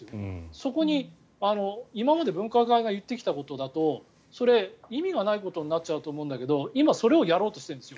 そこに今まで分科会が言ってきたことだとそれ、意味がないことになっちゃうと思うんだけど今、それをやろうとしているんですよ